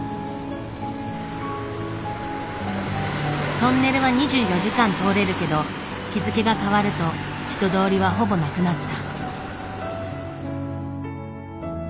トンネルは２４時間通れるけど日付が変わると人通りはほぼなくなった。